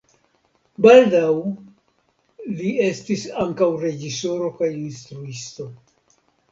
Baldaŭ li estis ankaŭ reĝisoro kaj instruisto.